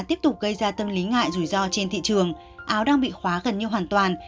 tiếp tục gây ra tâm lý ngại rủi ro trên thị trường áo đang bị khóa gần như hoàn toàn